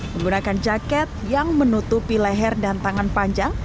menggunakan jaket yang menutupi leher dan tangan panjang